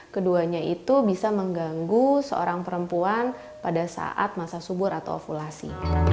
keduanya itu bisa mengganggu seorang perempuan pada saat masa subur atau ovolasi